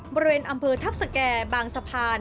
บริเวณอำเภอทัพสแก่บางสะพาน